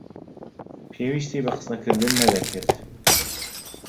پێویستی بە قسەکردن نەدەکرد.